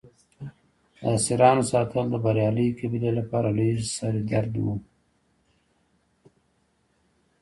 د اسیرانو ساتل د بریالۍ قبیلې لپاره لوی سر درد و.